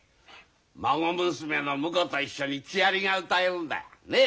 孫娘の婿と一緒に木遣りが歌えるんだ。ね！